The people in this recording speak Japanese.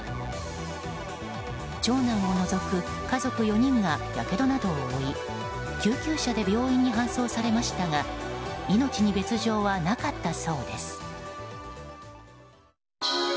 長男を除く家族４人がやけどなどを負い救急車で病院に搬送されましたが命に別状はなかったそうです。